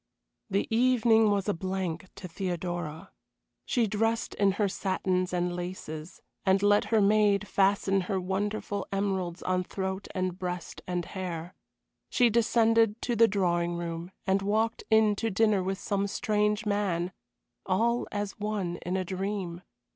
The evening was a blank to Theodora. She dressed in her satins and laces, and let her maid fasten her wonderful emeralds on throat and breast and hair. She descended to the drawing room and walked in to dinner with some strange man all as one in a dream.